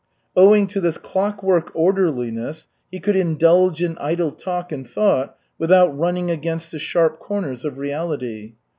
Owing to this clock work orderliness he could indulge in idle talk and thought without running against the sharp corners of reality.